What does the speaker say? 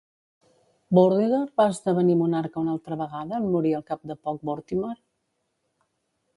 Vortigern va esdevenir monarca una altra vegada en morir al cap de poc Vortimer?